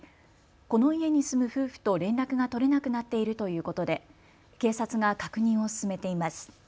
この家に住む夫婦と連絡が取れなくなっているということで警察が確認を進めています。